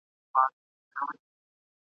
یوه ورځ هم پر غلطه نه وو تللی !.